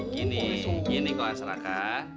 gini gini koan seraka